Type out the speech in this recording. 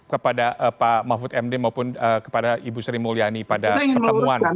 kepada pak mahfud md maupun kepada ibu sri mulyani pada pertemuan